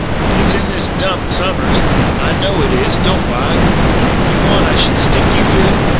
It's in this Dump som'ers. I know it is don't lie! You want that I should stick you good?